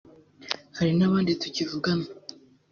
hari n’abandi tukivugana